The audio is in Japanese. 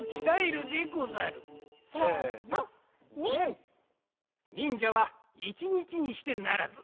せのニン！にんじゃはいちにちにしてならず。